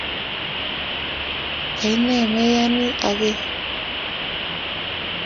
Kaine meyani ageer?